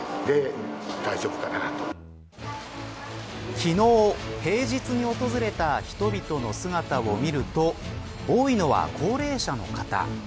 昨日平日に訪れた人々の姿を見ると多いのは高齢者の方。